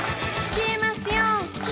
「消えますよ」